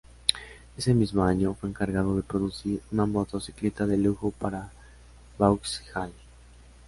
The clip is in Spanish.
Ese mismo año fue encargado de producir una motocicleta de lujo para Vauxhall.